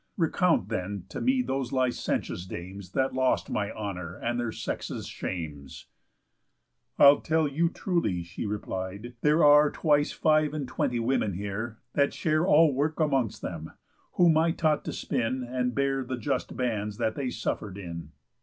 Recount, then, to me those licentious dames That lost my honour and their sex's shames." "I'll tell you truly," she replied: "There are Twice five and twenty women here that share All work amongst them; whom I taught to spin, And bear the just bands that they suffer'd in.